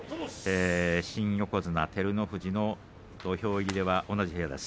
新横綱照ノ富士の土俵入りでは同じ部屋です。